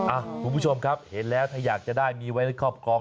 คุณผู้ชมครับเห็นแล้วถ้าอยากจะได้มีไว้ในครอบครอง